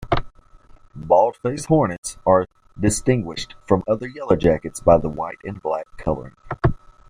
Baldfaced hornets are distinguished from other yellowjackets by their white and black coloring.